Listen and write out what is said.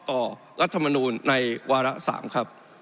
รัฐมนูลในวาระ๓ครับ